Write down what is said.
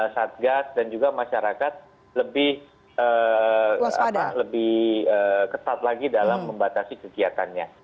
satgas dan juga masyarakat lebih ketat lagi dalam membatasi kegiatannya